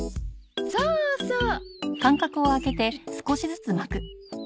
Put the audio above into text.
そうそう。